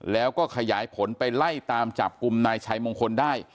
แล้วก็ขยายผลไปไล่ตามจับกลุ่มนายชัยมงคลได้